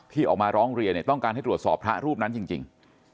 ออกมาร้องเรียนเนี่ยต้องการให้ตรวจสอบพระรูปนั้นจริง